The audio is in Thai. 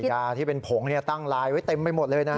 ยาที่เป็นผงตั้งลายไว้เต็มไปหมดเลยนะ